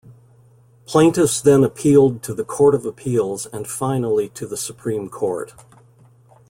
Plaintiffs then appealed to the Court of Appeals and finally to the Supreme Court.